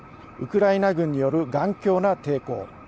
ウクライナ軍による頑強な抵抗。